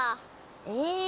え？